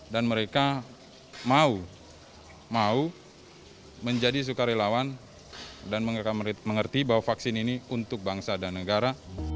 dan mereka mau menjadi sukarelawan dan mereka mengerti bahwa vaksin ini untuk bangsa dan negara